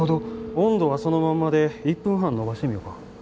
温度はそのままで１分半延ばしてみよか。